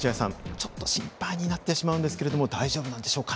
ちょっと心配になってしまうんですけれども大丈夫なんでしょうか？